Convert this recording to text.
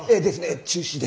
中止で！